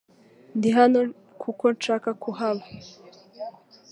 Ndi hano kuko nshaka kuba .